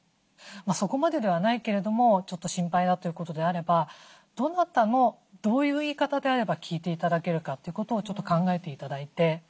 そこまでではないけれどもちょっと心配だということであればどなたのどういう言い方であれば聞いて頂けるかということをちょっと考えて頂いて。